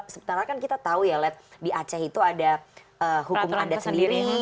sementara kan kita tahu ya lihat di aceh itu ada hukum adat sendiri